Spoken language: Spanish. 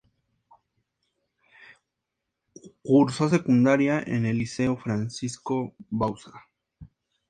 Cursó secundaria en el Liceo Francisco Bauzá.